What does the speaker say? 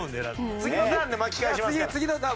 次のターンで巻き返しますから。